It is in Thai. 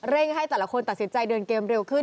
ให้แต่ละคนตัดสินใจเดินเกมเร็วขึ้น